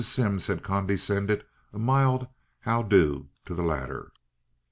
Simms had condescended a mild "how'd do" to the latter.